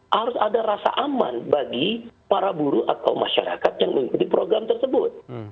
harus ada rasa aman bagi para buruh atau masyarakat yang mengikuti program tersebut